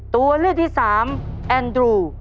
ตัวเลือกที่สามแอนดรู